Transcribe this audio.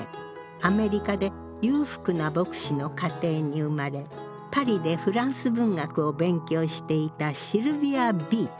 アメリカで裕福な牧師の家庭に生まれパリでフランス文学を勉強していたシルヴィア・ビーチ。